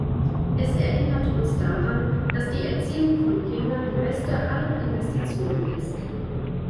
Es erinnert uns daran, dass die Erziehung von Kindern die beste aller Investitionen ist.